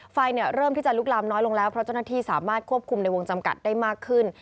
ไฟเริ่มที่จะลุกลามน้อยลงแล้วเพราะเจ้าหน้าที่สามารถควบคุมในวงจำกัดได้มากขึ้น